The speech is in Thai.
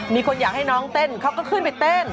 มีคนอยากให้น้องเต้นเขาก็ขึ้นไปเต้น